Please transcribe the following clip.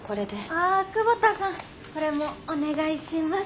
あっ久保田さんこれもお願いします。